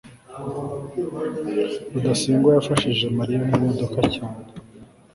rudasingwa yafashije mariya mu modoka cyane